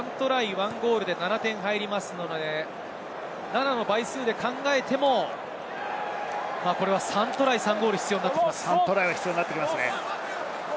１ゴールで７点入りますので、７の倍数で考えても、３トライ３ゴール必要になってきます。